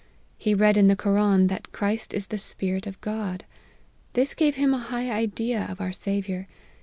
He read in the Koran, that Christ is the Spirit of God. This gave him a high idea of our Saviour.